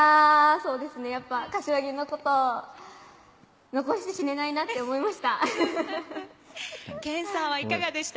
そうですね、柏木のことを残して死ねないなと思いました。